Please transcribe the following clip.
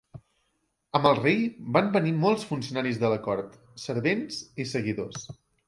Amb el rei van venir molts funcionaris de la cort, servents i seguidors.